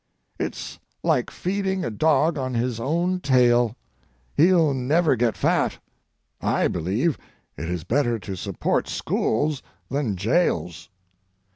It's like feeding a dog on his own tail. He'll never get fat. I believe it is better to support schools than jails.